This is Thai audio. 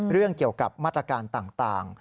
เรื่องเกี่ยวกับมาตรการต่าง